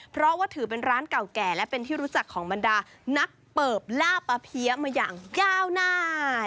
เพราะว่าถือเป็นร้านเก่าแก่และเป็นที่รู้จักของบรรดานักเปิบล่าปลาเพี้ยมาอย่างยาวนาน